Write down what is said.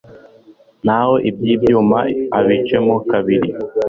naho iby'ibyuma abicemo kabiri